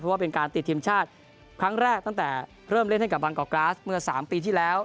เพราะว่าเป็นการติดทีมชาติครั้งแรกตั้งแต่เริ่มเล่นให้กับบางกอกกราสเมื่อ๓ปีที่แล้ว